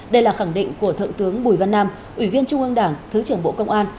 đây là khẳng định của thượng tướng bùi văn nam ủy viên trung ương đảng thứ trưởng bộ công an